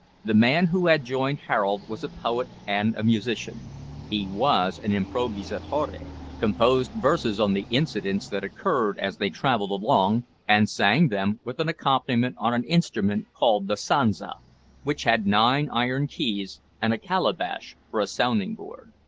The man who had joined Harold was a poet and a musician. He was an improvvisatore, composed verses on the incidents that occurred as they travelled along, and sang them with an accompaniment on an instrument called the sansa, which had nine iron keys and a calabash for a sounding board.